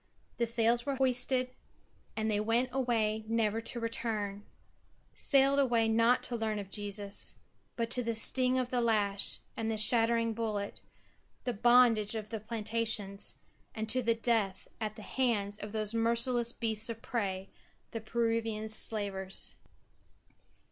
The sails were hoisted and they went away never to return; sailed away not to learn of Jesus, but to the sting of the lash and the shattering bullet, the bondage of the plantations, and to death at the hands of those merciless beasts of prey, the Peruvian slavers.